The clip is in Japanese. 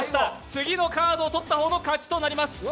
次のカードを取った方が勝ちになります。